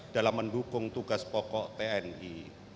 dalam mendukung tugas pokok tni